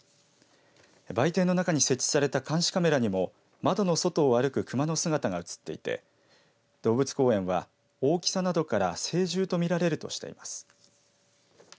売店の中に設置された監視カメラにも窓の外を歩く熊の姿が映っていて動物公園は大きさなどから成獣と見られるとしています。